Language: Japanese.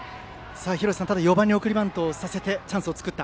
廣瀬さん、４番に送りバントをさせてチャンスを作った。